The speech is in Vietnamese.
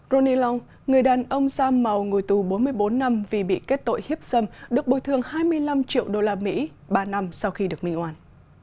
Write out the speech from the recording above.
ronnie long người đàn ông sam màu ngồi tù bốn mươi bốn năm vì bị kết tội hiếp dâm được bồi thường hai mươi năm triệu đô la mỹ ba năm sau khi được minh hoàn